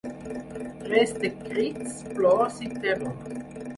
Res de crits, plors i terror.